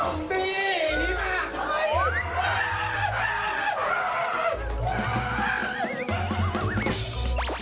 สม่องอยู่ด้าน